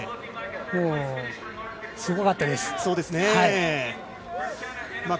もう、すごかったです！